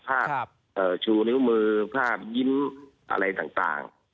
ภาพชูนิ้วมือภาพยิ้มอะไรต่าง